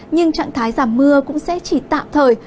nhưng trạng thái giảm mưa cũng sẽ chỉ tạm thời